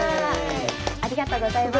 ありがとうございます。